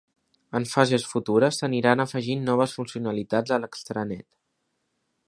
En fases futures s'aniran afegint noves funcionalitats a l'extranet.